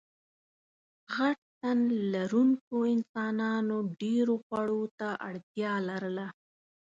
غټ تنلرونکو انسانانو ډېرو خوړو ته اړتیا لرله.